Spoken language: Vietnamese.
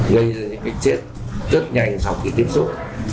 gây ra những cái chất chất nhanh sau khi tiếp xúc